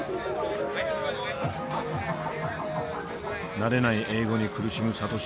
慣れない英語に苦しむサトシ。